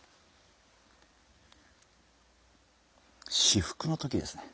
至福の時ですね。